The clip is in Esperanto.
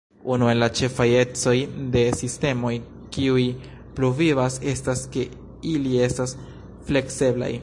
Unu el la ĉefaj ecoj de sistemoj kiuj pluvivas estas ke ili estas flekseblaj.